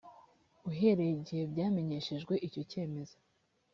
uhereye igihe byamenyeshejwe icyo cyemezo